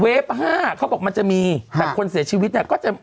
ห้าเขาบอกมันจะมีแต่คนเสียชีวิตเนี่ยก็จะ